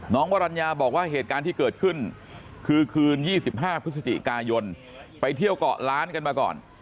วรรณญาบอกว่าเหตุการณ์ที่เกิดขึ้นคือคืน๒๕พฤศจิกายนไปเที่ยวเกาะล้านกันมาก่อน